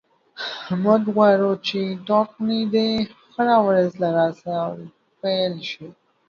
موږ غواړو چې ټاکنې دې هره ورځ له سره پیل شي.